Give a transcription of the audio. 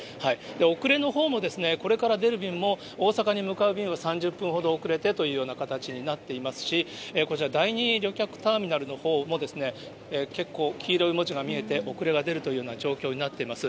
遅れのほうも、これから出る便も、大阪に向かう便は３０分ほど遅れてというような形になっていますし、こちら、第２旅客ターミナルのほうも結構黄色い文字が見えて、遅れが出るというような状況になっています。